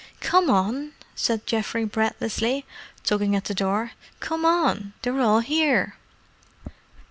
"Come on," said Geoffrey breathlessly, tugging at the door. "Come on! they're all here."